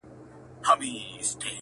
چي په کلي په مالت کي وو ښاغلی!.